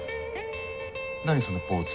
何そのポーズ